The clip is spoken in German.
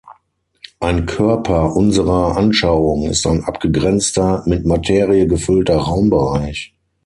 Ein Körper unserer Anschauung ist ein abgegrenzter mit Materie gefüllter Raumbereich.